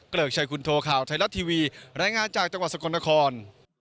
ริกชัยคุณโทข่าวไทยรัฐทีวีรายงานจากจังหวัดสกลนคร